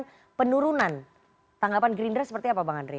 bagaimana menurunkan penurunan tanggapan gerindra seperti apa bang andre